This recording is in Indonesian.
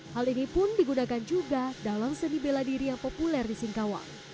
hal ini pun digunakan juga dalam seni bela diri yang populer di singkawang